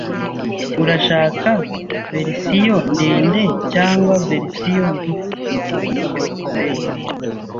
Urashaka verisiyo ndende cyangwa verisiyo ngufi? byukusenge